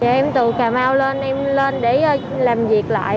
em từ cà mau lên em lên để làm việc lại